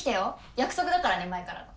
約束だからね前からの。